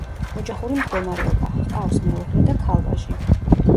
ოჯახური მდგომარეობა: ჰყავს მეუღლე და ქალ-ვაჟი.